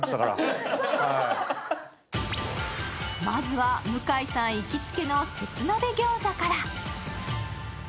まずは向井さん行きつけの鉄鍋餃子から。